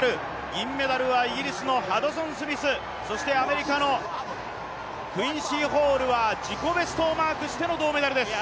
銀メダルはイギリスのハドソンスミス、そしてアメリカのクインシー・ホールは自己ベストをマークしての銅メダルです。